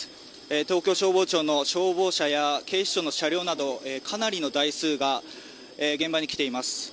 東京消防庁の消防車や警視庁の車両などかなりの台数が現場に来ています。